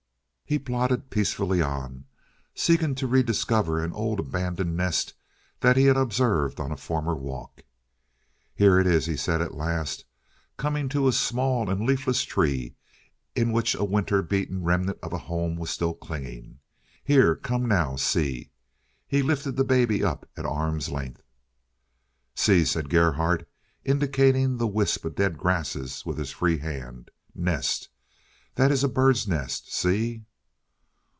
He plodded peacefully on, seeking to rediscover an old abandoned nest that he had observed on a former walk. "Here it is," he said at last, coming to a small and leafless tree, in which a winter beaten remnant of a home was still clinging. "Here, come now, see," and he lifted the baby up at arm's length. "See," said Gerhardt, indicating the wisp of dead grasses with his free hand, "nest. That is a bird's nest. See!"